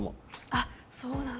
あっそうなんだ。